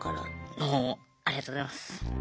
もうありがとうございます。